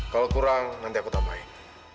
kalau kurang nanti aku tambahin